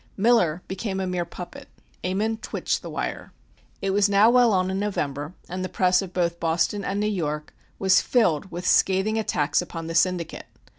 Miller became a mere puppet; Ammon twitched the wire. It was now well on in November, and the press of both Boston and New York was filled with scathing attacks upon the Syndicate.